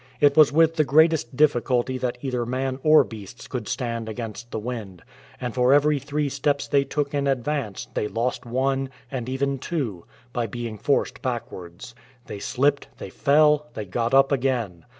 It was with the greatest difficulty that either man or beasts could stand against the wind, and for every three steps they took in advance, they lost one, and even two, by being forced backwards. They slipped, they fell, they got up again.